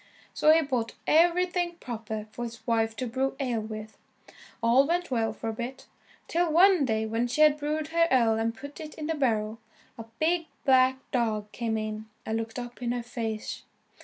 So he bought everything proper for his wife to brew ale with. All went well for a bit, till one day when she had brewed her ale and put it in the barrel, a big black dog came in and looked up in her face.